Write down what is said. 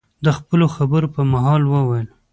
د خپلو خبرو په مهال، وویل: